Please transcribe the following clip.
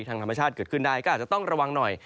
ทางธรรมชาติเกิดขึ้นได้ก็อาจจะต้องระวังหน่อย